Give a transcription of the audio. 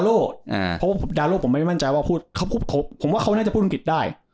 ยกวิ้งดาโรผมไม่มั่นใจว่าพูดเขาพูดขมคลผมว่าเขาน่าจะพูดอังกฤษได้